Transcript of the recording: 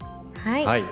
はい。